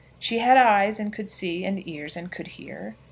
She had eyes, and could see; and ears, and could hear.